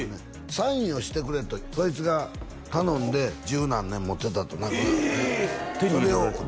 サインをしてくれとそいつが頼んで十何年持ってたとえ手に入れられたんですか？